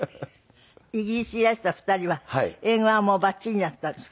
イギリスにいらした２人は英語はもうバッチリになったんですかね？